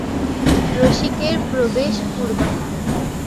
রসিকের প্রবেশ পুরবালা।